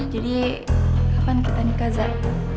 jadi kapan kita nikah zek